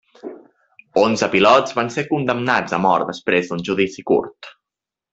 Onze pilots van ser condemnats a mort després d'un judici curt.